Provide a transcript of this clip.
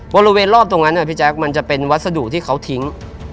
บริเวณรอบตรงนั้นพี่แจ๊คมันจะเป็นวัสดุที่เขาทิ้ง